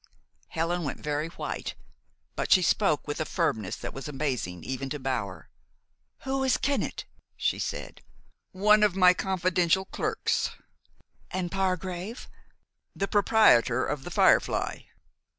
Helen went very white; but she spoke with a firmness that was amazing, even to Bower. "Who is Kennett?" she said. "One of my confidential clerks." "And Pargrave?" "The proprietor of 'The Firefly.'"